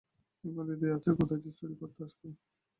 এখন হৃদয় আছে কোথায় যে চুরি করতে আসব?